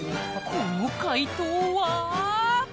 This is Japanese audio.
この快答は？